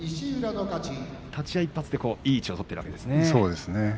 立ち合い１発でいい位置を取っているわけですね。